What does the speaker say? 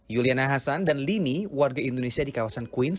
yuliana hassan dan limi warga indonesia di kawasan queens